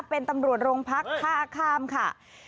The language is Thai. เป็นตำรวจโรงพักท่าข้ามค่ะ